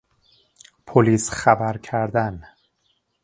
پلیس خبر کردن